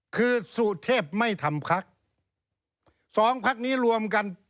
คือสูตรเทพไม่ทำพรรค๒ภักษณ์นี้รวมกัน